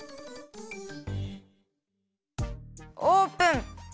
オープン！